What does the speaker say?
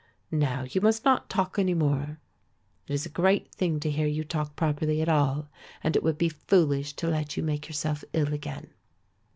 Now you must not talk any more; it is a great thing to hear you talk properly at all, and it would be foolish to let you make yourself ill again."